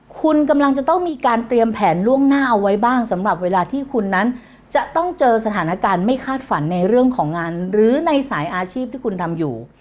คุณกำลังจะต้องมีการเตรียมแผนล่วงหน้าเอาไว้บ้างสำหรับเวลาที่คุณนั้นจะต้องเจอสถานการณ์ไม่คาดฝันในเรื่องของงานหรือในสายอาชีพที่คุณทำอยู่